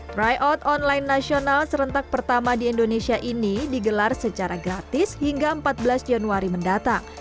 tryout online nasional serentak pertama di indonesia ini digelar secara gratis hingga empat belas januari mendatang